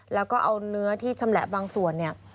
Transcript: แล้วก็เอาเนื้อที่ชำแหละบางส่วนเนี่ย